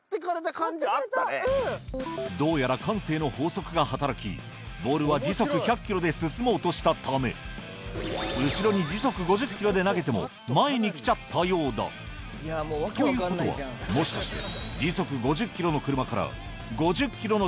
どうやら慣性の法則が働きボールは時速１００ｋｍで進もうとしたため後ろに時速５０ｋｍで投げても前に来ちゃったようだということはもしかしてふっ！